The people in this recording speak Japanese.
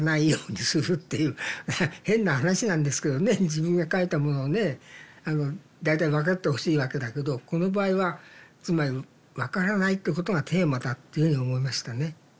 自分が書いたものをね大体わかってほしいわけだけどこの場合はつまりわからないってことがテーマだっていうふうに思いましたね。